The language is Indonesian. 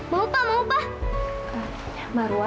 mau pak mau pak